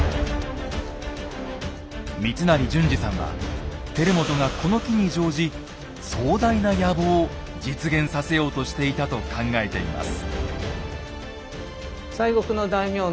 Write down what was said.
光成準治さんは輝元がこの機に乗じ壮大な野望を実現させようとしていたと考えています。